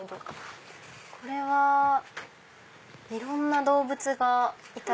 これはいろんな動物がいたり。